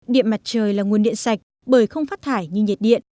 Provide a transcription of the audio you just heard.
điện mặt trời là nguồn điện sạch bởi không phát thải như nhiệt điện